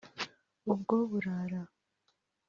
ubwo burara